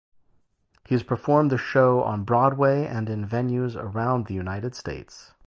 He has performed the show on Broadway and in venues around the United States.